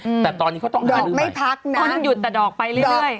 อืมแต่ตอนนี้เขาต้องทานหรือไม่ดอกไม่พักนะก็ยุดแต่ดอกไปเรื่อยเรื่อย